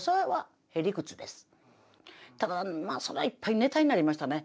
それはいっぱいネタになりましたね。